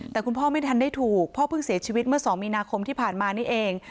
แต่คุณพ่อไม่ทันได้ถูกพ่อเพิ่งเสียชีวิตเมื่อ๒มีนาคมที่ผ่านมานี่เอง